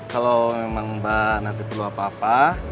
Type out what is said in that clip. kalau memang mbak nanti perlu apa apa